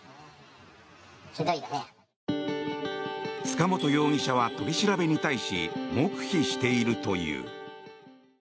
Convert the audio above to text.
塚本容疑者は取り調べに対し黙秘しているという。